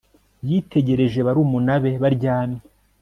yitegereje barumuna be baryamye